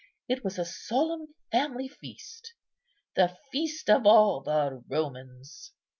It was a solemn family feast, the feast of all the Romans."